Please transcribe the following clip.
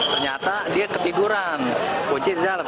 ternyata dia ketiduran kuncinya di dalam